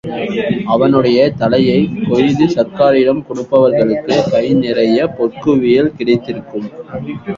அவனுடைய தலையைக் கொய்து சர்க்காரிடம் கொடுப்பவர்களுக்குக் கை நிறையப் பொற்குவியல் கிடைத்திருக்கும்.